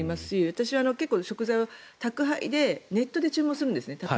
私は食材を、宅配でネットで注文するんですね。